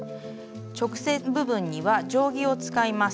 直線部分には定規を使います。